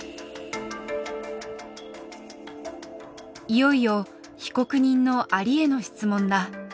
いよいよ被告人のアリへの質問だ。